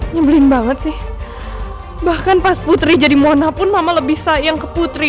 nyembelin banget sih bahkan pas putri jadi mona pun mama lebih sayang ke putri